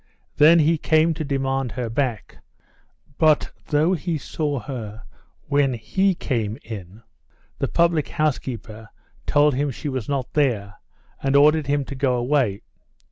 Then he came to demand her back, but, though he saw her when he came in, the public house keeper told him she was not there, and ordered him to go away.